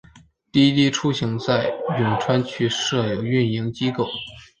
滴滴出行在永川区设有运营机构。